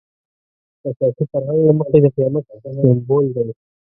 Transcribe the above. د سیاسي فرهنګ له مخې د قیامت سمبول دی.